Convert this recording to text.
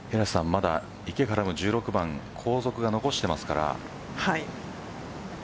まだ池からの１６番後続が残してますから。